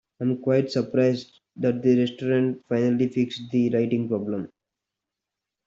I am quite surprised that the restaurant finally fixed the lighting problem.